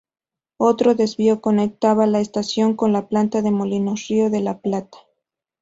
Otro desvío conectaba la estación con la planta de Molinos Río de la Plata.